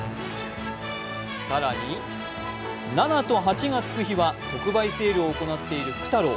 更に７と８がつく日は特売セールを行っている福太郎。